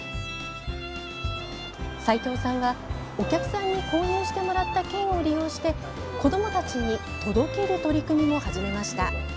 齋藤さんは、お客さんに購入してもらった券を利用して子どもたちに届ける取り組みも始めました。